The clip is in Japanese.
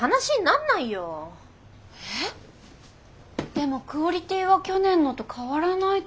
でもクオリティーは去年のと変わらないと思いますけど。